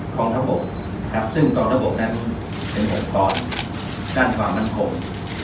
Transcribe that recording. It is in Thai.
ของทะบกครับซึ่งของทะบกนั้นเป็นอุปกรณ์การความมันขม